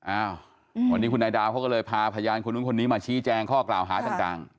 อ้าววันนี้คุณนายดาวเขาก็เลยพาพยานคนนู้นคนนี้มาชี้แจงข้อกล่าวหาต่าง